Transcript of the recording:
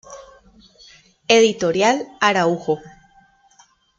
Editorial Araujo.